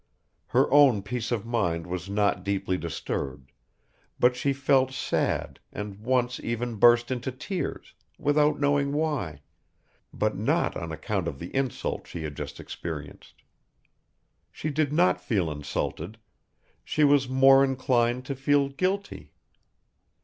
Her own peace of mind was not deeply disturbed; but she felt sad and once even burst into tears, without knowing why but not on account of the insult she had just experienced. She did not feel insulted; she was more inclined to feel guilty.